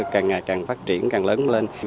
càng ngày càng phát triển càng lớn